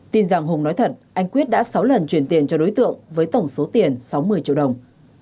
tin rằng hùng nói thật anh quyết đã sáu lần chuyển tiền cho đối tượng với tổng số tiền sáu mươi triệu đồng